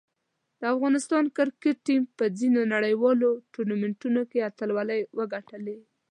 د افغانستان کرکټ ټیم په ځینو نړیوالو ټورنمنټونو کې اتلولۍ وګټلې دي.